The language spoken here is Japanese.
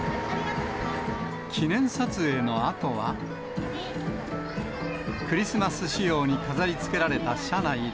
記念撮影のあとは、クリスマス仕様に飾りつけられた車内で。